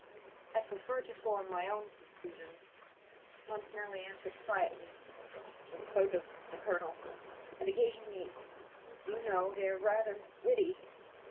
"I prefer to form my own conclusions," Montanelli answered quietly. "S so does the colonel. And occasionally, do you know, they are rather witty.